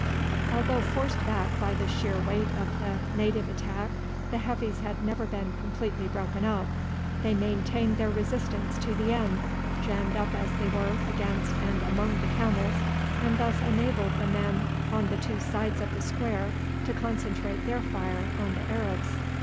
Although forced back by the sheer weight of the native attack, the Heavies had never been completely broken up. They maintained their resistance to the end, jammed up as they were against and among the camels, and thus enabled the men on the two sides of the square to concentrate their fire on the Arabs.